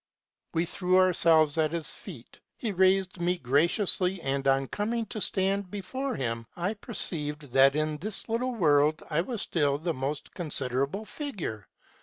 We threw ourselves at his feet : lie raised me very graciously ; and, on coming to stand before him, I perceived, that in this little world I was still the most considerable figure.